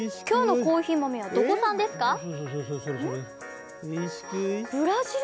今日のコーヒー豆はどこ産ですか？